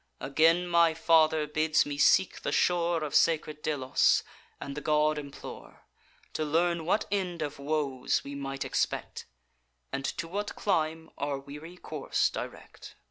Again my father bids me seek the shore Of sacred Delos, and the god implore, To learn what end of woes we might expect, And to what clime our weary course direct.